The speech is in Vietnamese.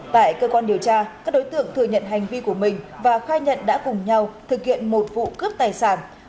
tại cơ quan điều tra các đối tượng thừa nhận hành vi của mình và khai nhận đã cùng nhau thực hiện một vụ cướp tài sản